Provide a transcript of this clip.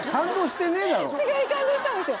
違う感動したんですよ